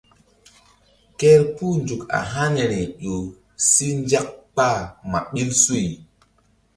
Kerpuh nzuk a haniri ƴo si nzak kpah ma ɓil suy.